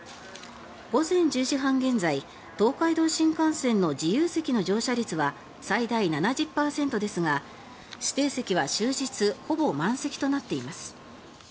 午前１０時半現在東海道新幹線の自由席の乗車率は最大７０％ですが指定席は終日ほぼ満席となっています。